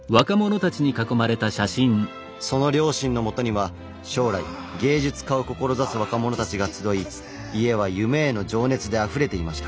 その両親のもとには将来芸術家を志す若者たちが集い家は夢への情熱であふれていました。